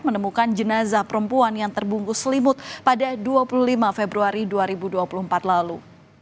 menemukan jenazah perempuan yang terbungkus selimut pada dua puluh lima februari dua ribu dua puluh empat lalu